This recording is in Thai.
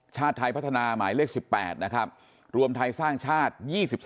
ชาติไทยพัฒนาหมายเลข๑๘นะครับรวมไทยสร้างชาติ๒๓